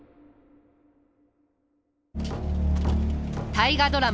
大河ドラマ